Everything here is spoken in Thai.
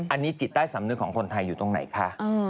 อันนี้จิตใต้สำนึกของคนไทยอยู่ตรงไหนคะ